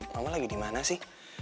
mama lagi di mana sih